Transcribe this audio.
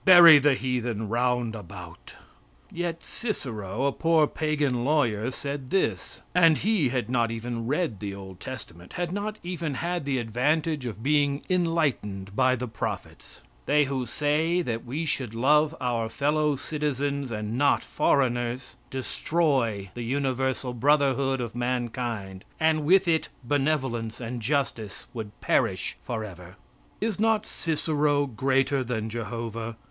Buy the heathen round about." Yet Cicero, a poor pagan lawyer, said this and he had not even read the old testament had not even had the advantage of being enlightened by the prophets: "They who say that we should love our fellow citizens, and not foreigners, destroy the universal brotherhood of mankind, and with it benevolence and justice would perish forever." Is not Cicero greater than Jehovah?